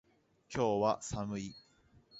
今日は寒い。